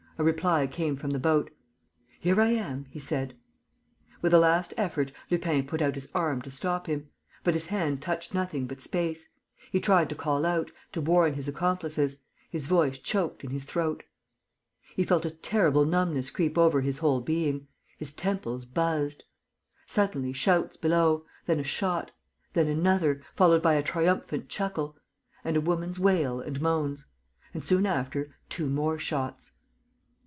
A reply came from the boat. "Here I am," he said. With a last effort, Lupin put out his arm to stop him. But his hand touched nothing but space. He tried to call out, to warn his accomplices: his voice choked in his throat. He felt a terrible numbness creep over his whole being. His temples buzzed. Suddenly, shouts below. Then a shot. Then another, followed by a triumphant chuckle. And a woman's wail and moans. And, soon after, two more shots.